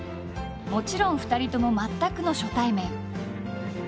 もちろん２人とも全くの初対面。